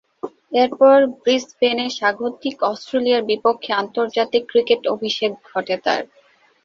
এরপর ব্রিসবেনে স্বাগতিক অস্ট্রেলিয়ার বিপক্ষে আন্তর্জাতিক ক্রিকেটে অভিষেক ঘটে তার।